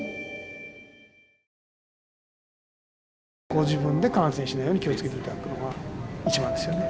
ご自分で感染しないように気を付けていただくのが一番ですよね。